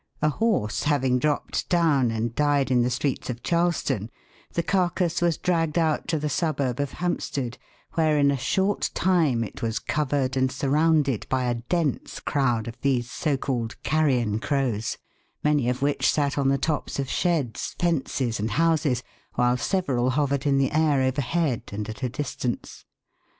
A horse having dropped down and died in the streets of Charleston, the carcass was dragged out to the suburb of Hampstead, where in a short time it was covered and surrounded by a dense crowd of these so called " carrion crows," many of which sat on the tops of sheds, fences, and houses, while several hovered in the air overhead, and at a distance.